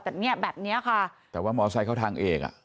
แต่แบบนี้ค่ะแต่ว่ามอเซคเขาทางเอก